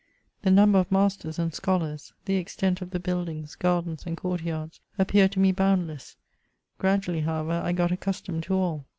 The number of masters and scholars, the extent of the buildings, gardens, and court yards appeared to me bound less ; gradually, however, I got accustomed to all.